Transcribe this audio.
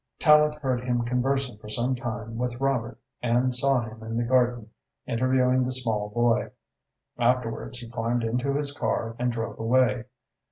Tallente heard him conversing for some time with Robert and saw him in the garden, interviewing the small boy. Afterwards, he climbed into his car and drove away.